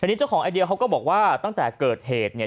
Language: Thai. นี่เจ้าของไอเดียเขาก็บอกว่าตั้งแต่เกิดเหตุเนี่ย